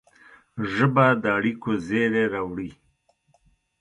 ژبه د اړیکو زېری راوړي